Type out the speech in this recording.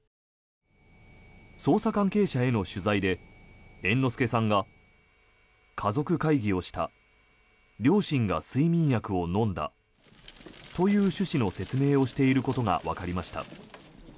捜査関係者への取材で猿之助さんが家族会議をした両親が睡眠薬を飲んだという趣旨の説明をしていることがわかりました。